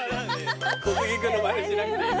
小杉君のまねしなくていい。